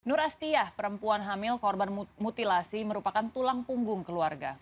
nur astiyah perempuan hamil korban mutilasi merupakan tulang punggung keluarga